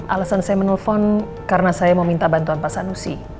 alasan saya menelpon karena saya meminta bantuan pak sanusi